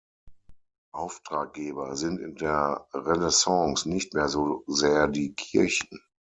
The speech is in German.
Auftraggeber sind in der Renaissance nicht mehr so sehr die Kirchen.